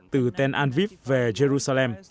từ tên an vip về jerusalem